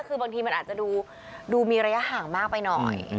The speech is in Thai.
คือบางทีมันอาจจะดูมีระยะห่างมากไปหน่อย